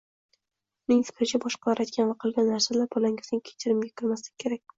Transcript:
Uning fikricha boshqalar aytgan va qilgan narsalar bolangizning kechirimga kirmasligi kerak.